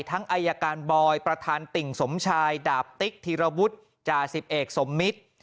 อายการบอยประธานติ่งสมชายดาบติ๊กธีรวุฒิจ่าสิบเอกสมมิตร